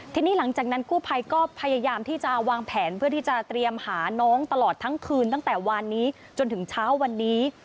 ทีนี้หลังจากนั้นกู้ภัยก็พยายามที่จะวางแผนเพื่อที่จะเตรียมหาน้องตลอดทั้งคืนตั้งแต่วานนี้จนถึงเช้าวันนี้